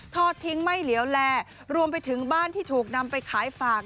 ทอดทิ้งไม่เหลียวแลรวมไปถึงบ้านที่ถูกนำไปขายฝาก